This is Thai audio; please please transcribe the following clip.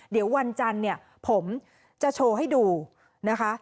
เดี๋ยววันจันทร์เนี่ยผมจะโชว์ให้ดูนะคะ